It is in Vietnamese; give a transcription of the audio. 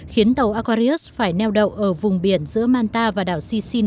khiến tàu aquarius phải neo đậu ở vùng biển giữa manta và đảo sicin